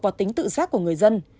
vào tính tự giác của người dân